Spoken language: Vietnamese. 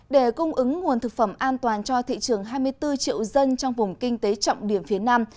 để cung ứng nguồn thực phẩm an toàn cho thị trường hai mươi bốn triệu dân trong vùng kinh tế trọng điểm phía nam